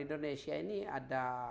indonesia ini ada